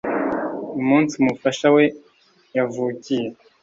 umunsi umufasha we yavukiye